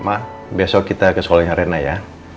mak besok kita ke sekolahnya reina ya